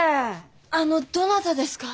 あのどなたですか？